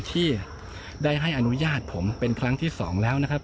ที่ได้ให้อนุญาตผมเป็นครั้งที่๒แล้วนะครับ